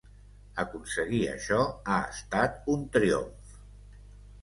Aconseguir això ha estat un triomf.